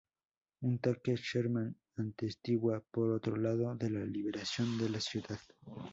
Un tanque Sherman atestigua, por otro lado, de la liberación de la ciudad.